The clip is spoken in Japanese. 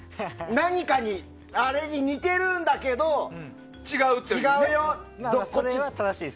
何かに、あれに似てるんだけど違うよっていう。